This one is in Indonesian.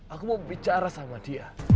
aku mau bicara sama dia